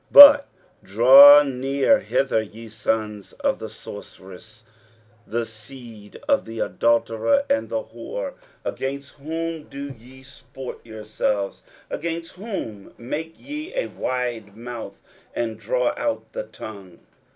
23:057:003 But draw near hither, ye sons of the sorceress, the seed of the adulterer and the whore. 23:057:004 Against whom do ye sport yourselves? against whom make ye a wide mouth, and draw out the tongue?